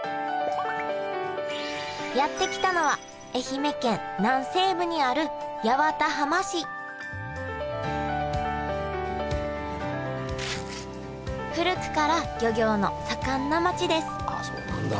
やって来たのは愛媛県南西部にある八幡浜市古くから漁業の盛んな町ですあそうなんだ！